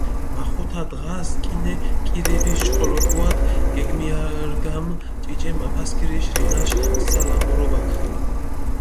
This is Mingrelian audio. მახუთა დღას, კინე კირიბიშ ჭყოლობუათ, გეგმიარგამჷ ჭიჭე მაფასქირიშ რინაშ სალამურობაქ.